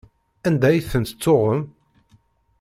Anda ay tent-tuɣem?